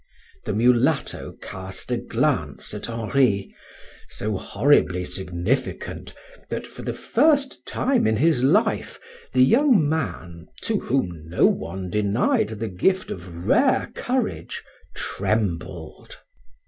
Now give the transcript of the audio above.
The mulatto cast a glance at Henri, so horribly significant, that, for the first time in his life, the young man, to whom no one denied the gift of rare courage, trembled.